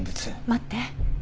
待って。